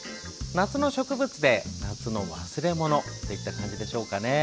夏の植物で夏の忘れものといった感じでしょうかね。